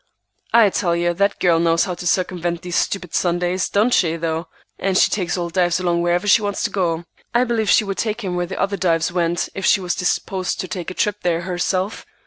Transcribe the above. "I tell you, that girl knows how to circumvent these stupid Sundays, don't she, though? And she takes old Dives along wherever she wants to go. I believe she would take him where the other Dives went, if she was disposed to take a trip there herself.